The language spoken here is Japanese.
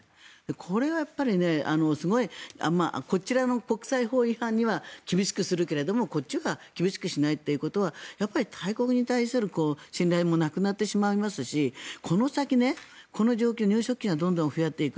これがやっぱりすごいこちらの国際法違反には厳しくするけれどもこっちは厳しくしないということは大国に対する信頼もなくなってしまいますしこの先、この状況入植地が増えていく。